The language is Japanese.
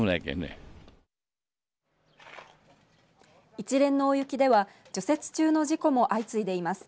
一連の大雪では除雪中の事故も相次いでいます。